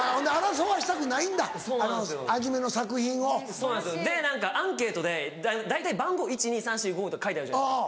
そうなんですでアンケートで大体番号１２３４５とか書いてあるじゃないですか。